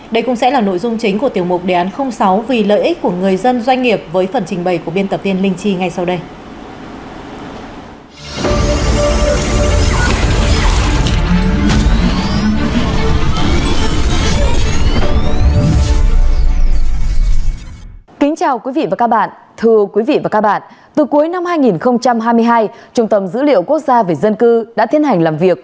đây cũng sẽ là nội dung chính của tiểu mục đề án sáu vì lợi ích của người dân doanh nghiệp với phần trình bày của biên tập viên linh chi ngay sau đây